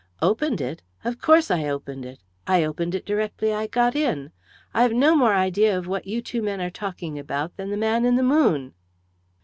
"Opened it? Of course I opened it! I opened it directly I got in. I've no more idea of what you two men are talking about than the man in the moon."